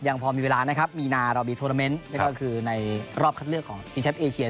ยังพอมีเวลานะครับมีนามีโทรเทอร์เมนต์แล้วก็คือในรอบคัดเลือกของอีเชปเอเชีย